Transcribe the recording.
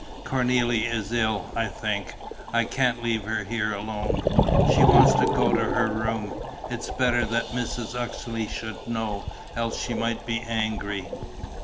"Cornélie is ill, I think. I can't leave her here alone. She wants to go to her room. It's better that Mrs. Uxeley should know, else she might be angry."